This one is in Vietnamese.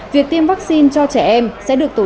việc tiêm vaccine cho trẻ em sẽ được tổ chức